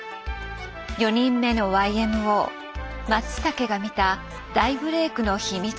「４人目のＹＭＯ」松武が見た大ブレークの秘密とは。